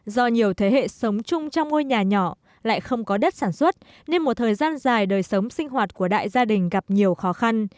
do nhiều thế hệ sống chung trong ngôi nhà nhỏ lại không có đất sản xuất nên một thời gian dài đời sống sinh hoạt của đại gia đình gặp nhiều khó khăn